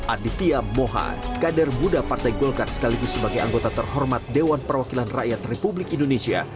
aditya moha kader muda partai golkar sekaligus sebagai anggota terhormat dewan perwakilan rakyat republik indonesia